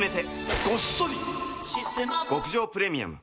極上プレミアム